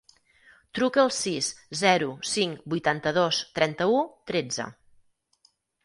Truca al sis, zero, cinc, vuitanta-dos, trenta-u, tretze.